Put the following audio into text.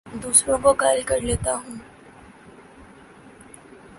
دوسروں کو قائل کر لیتا ہوں